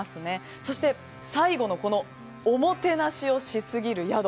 そして、最後のおもてなしをしすぎる宿。